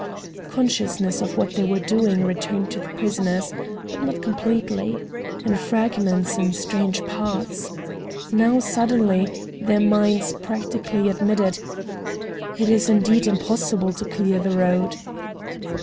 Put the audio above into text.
Consciousness of what they were doing returned to the prisoners, but not completely,—in fragments, in strange parts. Now, suddenly, their minds practically admitted: "It is indeed impossible to clear the road."